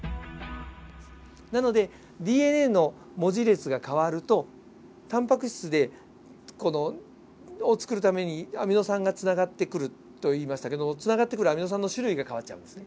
なのでＤＮＡの文字列が変わるとタンパク質を作るためにアミノ酸がつながってくると言いましたけどつながってくるアミノ酸の種類が変わっちゃうんですね。